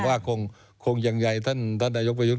ว่าคงยังไงท่านนายกประยุทธ์